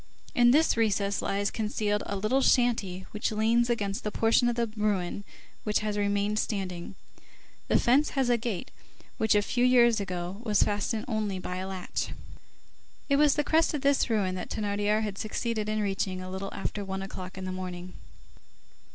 In this recess lies concealed a little shanty which leans against the portion of the ruin which has remained standing. The fence has a gate, which, a few years ago, was fastened only by a latch. It was the crest of this ruin that Thénardier had succeeded in reaching, a little after one o'clock in the morning.